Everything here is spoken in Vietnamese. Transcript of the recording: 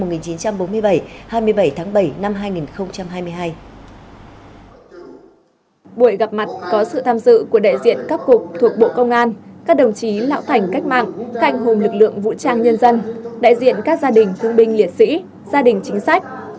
buổi gặp mặt có sự tham dự của đại diện các cục thuộc bộ công an các đồng chí lão thành cách mạng cảnh hùng lực lượng vũ trang nhân dân đại diện các gia đình thương binh liệt sĩ gia đình chính sách